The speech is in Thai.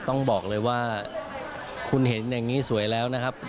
ต้องบอกเลยว่าคุณเห็นอย่างนี้สวยแล้วนะครับ